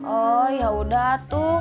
oh yaudah tuh